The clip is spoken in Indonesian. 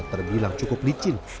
terbilang cukup licin